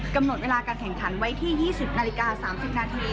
กำหนดเวลาการแข่งขันไว้ที่๒๐นาฬิกา๓๐นาที